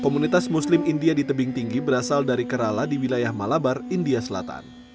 komunitas muslim india di tebing tinggi berasal dari kerala di wilayah malabar india selatan